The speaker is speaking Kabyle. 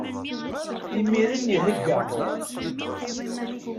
Imiren ihegga.